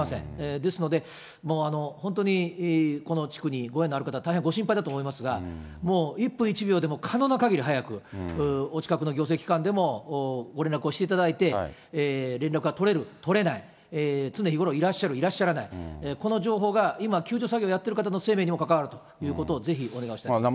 ですので、本当にこの地区にご縁のある方は大変ご心配だと思いますが、もう１分１秒でも可能なかぎり早く、お近くの行政機関でもご連絡をしていただいて、連絡が取れる、取れない、常日頃いらっしゃる、いらっしゃらない、この情報が今救助作業をやってらっしゃる方の生命にも関わることをぜひお願いしたいと思います。